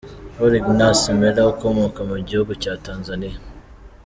Paul Ignace Mella ukomoka mu gihugu cya Tanzania.